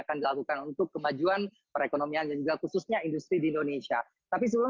akan dilakukan untuk kemajuan perekonomian dan juga khususnya industri di indonesia tapi sebelum